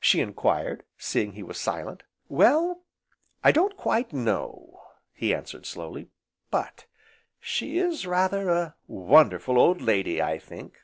she enquired, seeing he was silent. "Well, I don't quite know," he answered slowly, "but she is rather a wonderful old lady, I think."